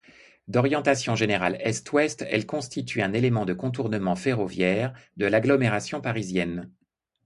D'orientation générale Est-Ouest, elle constitue un élément du contournement ferroviaire de l'agglomération parisienne.